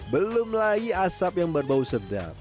belum lagi asap yang berbau sedap